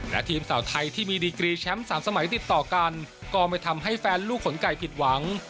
และทีมสาวไทยที่มีดีกรีแชมป์๓สมัยติดต่อกันก็ไม่ทำให้แฟนลูกขนไก่ผิดหวัง